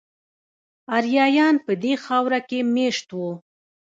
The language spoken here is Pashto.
آریایان په دې خاوره کې میشت وو